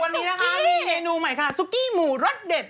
วันนี้นะค่ะมปรุกไซซ์ซุกี้หมู่รสเด็ด